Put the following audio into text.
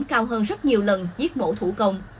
cao hơn rất nhiều lần giết mổ thủ công